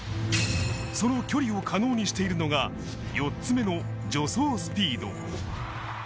その距離を可能にしているのが、４つ目の助走スピード。